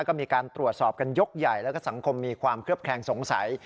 ก็มีการตรวจสอบกันยกใหญ่แล้วก็สังคมมีความเคลือบแคลงสงสัย